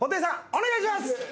お願いします。